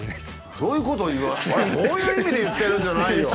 そういう意味で言ってるんじゃないよ！